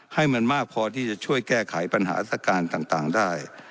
ให้มันมากพอที่จะช่วยแก้ไขปัญหาสการต่างได้